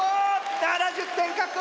７０点獲得！